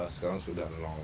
sekarang sudah nol